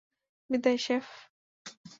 বিদায়, শেফ।